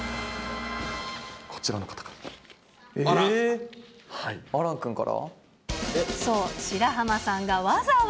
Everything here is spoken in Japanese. こちらの方から。